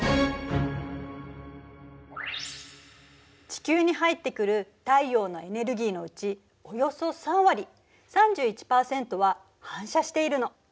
地球に入ってくる太陽のエネルギーのうちおよそ３割３１％は反射しているの。